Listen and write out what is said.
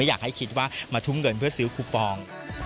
อยากให้คิดว่ามาทุ่มเงินเพื่อซื้อคูปอง